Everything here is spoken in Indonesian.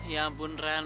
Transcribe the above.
ya ampun ren